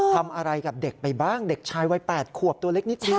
ทำอะไรกับเด็กไปบ้างเด็กชายวัย๘ขวบตัวเล็กนิดเดียว